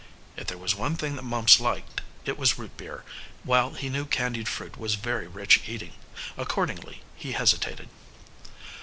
If there was one thing that Mumps liked, it was root beer, while he knew candied fruit was very rich eating. Accordingly he hesitated.